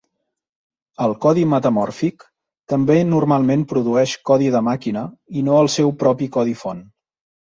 El codi metamòrfic també normalment produeix codi de màquina i no el seu propi codi font.